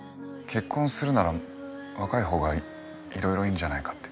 結婚するなら若い方が色々いいんじゃないかって。